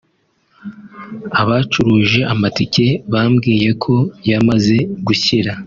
abacuruje amatike bambwiye ko yamaze gushira